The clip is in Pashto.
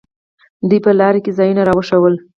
دوى په لاره کښې ځايونه راښوول.